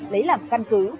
lấy làm căn cứ